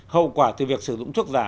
hậu quả từ việc sử dụng thuốc giả